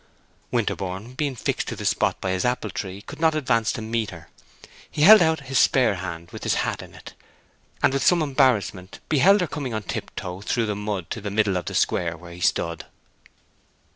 Winterborne, being fixed to the spot by his apple tree, could not advance to meet her; he held out his spare hand with his hat in it, and with some embarrassment beheld her coming on tiptoe through the mud to the middle of the square where he stood.